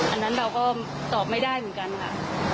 อันนั้นเราก็ตอบไม่ได้เหมือนกันค่ะ